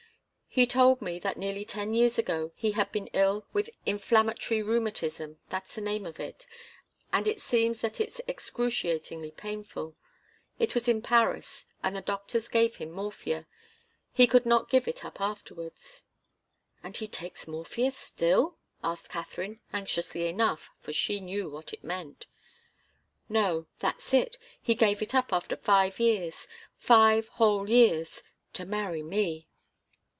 "He told me that nearly ten years ago he had been ill with inflammatory rheumatism that's the name of it, and it seems that it's excruciatingly painful. It was in Paris, and the doctors gave him morphia. He could not give it up afterwards." "And he takes morphia still?" asked Katharine, anxiously enough, for she knew what it meant. "No that's it. He gave it up after five years five whole years to marry me.